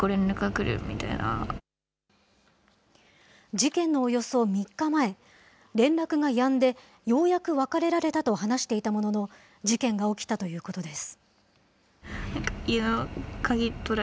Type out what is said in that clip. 事件のおよそ３日前、連絡がやんで、ようやく別れられたと話していたものの、事件が起きたということです。